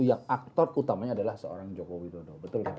yang aktor utamanya adalah seorang joko widodo